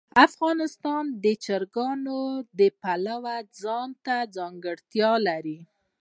افغانستان د چرګان د پلوه ځانته ځانګړتیا لري.